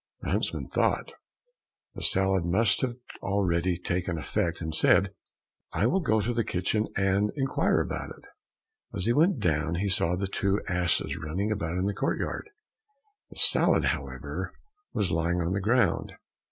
The huntsman thought, "The salad must have already taken effect," and said, "I will go to the kitchen and inquire about it." As he went down he saw the two asses running about in the courtyard; the salad, however, was lying on the ground.